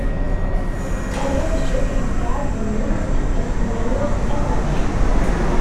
Ula d Cit isɛa-d mmi-s, isemma-yas Anuc.